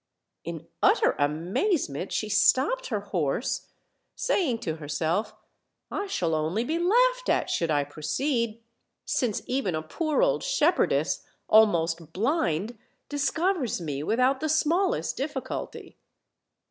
In utter amazement she stopped her horse, saying to herself: "I shall only be laughed at should I proceed, since even a poor old shepherdess, almost blind, discovers me without the smallest difficulty."